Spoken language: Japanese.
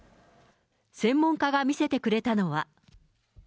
専門家が見せてくれたのは。